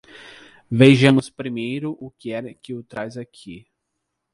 Vejamos primeiro o que é que o traz aqui.